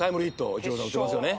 イチローさん打ってますよね